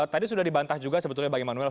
tadi sudah dibantah juga sebetulnya bang immanuel